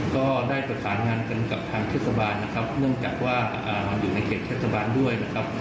ก็ได้ประสานงานกันกับทางเทศบาลนะครับเนื่องจากว่าอยู่ในเขตเทศบาลด้วยนะครับ